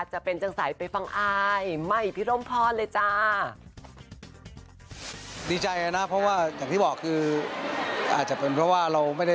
จะเป็นจังสัยไปปังอายไม่พิลมพรเลยจ้า